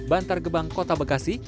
bantar gebang kota bekasi